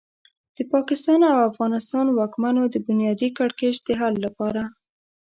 د پاکستان او افغانستان واکمنو د بنیادي کړکېچ د حل لپاره.